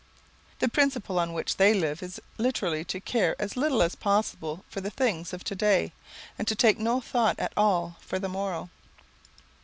The principle on which they live is literally to care as little as possible for the things of to day, and to take no thought at all for the morrow.